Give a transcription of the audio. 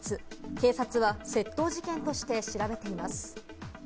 警察は窃盗事件として調べています。